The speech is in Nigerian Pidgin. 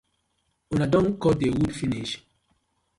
Una don kot the wood finish.